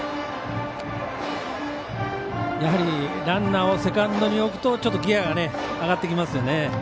ランナーをセカンドに置くとちょっとギヤが上がってきますね。